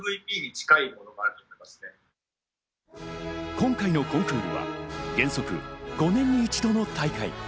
今回のコンクールは、原則５年に一度の大会。